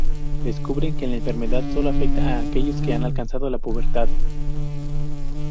Descubren que la enfermedad sólo afecta a aquellos que han alcanzado la pubertad.